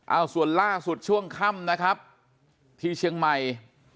เอาส่วนล่าสุดช่วงค่ำนะครับที่เชียงใหม่